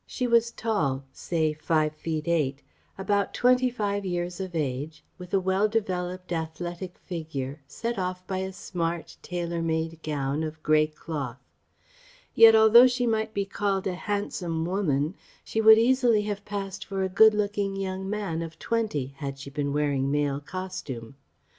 She was tall say, five feet eight; about twenty five years of age; with a well developed, athletic figure, set off by a smart, tailor made gown of grey cloth. Yet although she might be called a handsome woman she would easily have passed for a good looking young man of twenty, had she been wearing male costume.